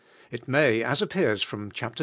It may, as appears from chap. ii.